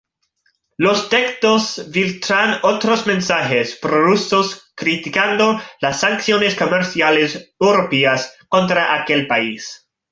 Los textos filtran otros mensajes prorrusos criticando las sanciones comerciales europeas contra aquel país.